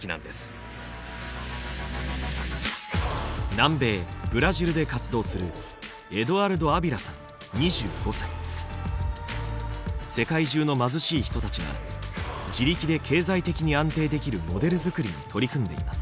南米ブラジルで活動する世界中の貧しい人たちが自力で経済的に安定できるモデル作りに取り組んでいます。